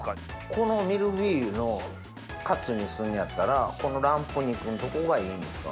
このミルフィーユのカツにすんねやったらこのランプ肉んとこがいいんですか？